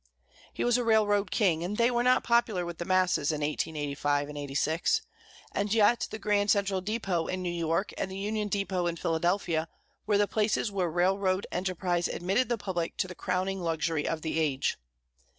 He was a railroad king, and they were not popular with the masses in 1885 6. And yet, the Grand Central Depot in New York and the Union Depot in Philadelphia, were the palaces where railroad enterprise admitted the public to the crowning luxury of the age.